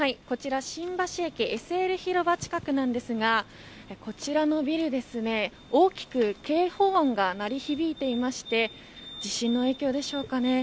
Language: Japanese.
こちら新橋駅ＳＬ広場近くですがこちらのビル、大きく警報音が鳴り響いていて地震の影響でしょうか。